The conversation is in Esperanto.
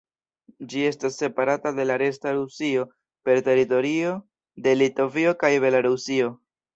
Ĝi estas separata de la "resta" Rusio per teritorio de Litovio kaj Belarusio.